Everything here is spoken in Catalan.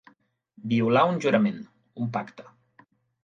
Violar un jurament, un pacte.